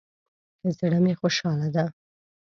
زړه می خوشحاله ده